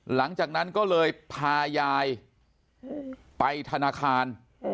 หลังจากนั้นก็เลยพายายไปธนาคาร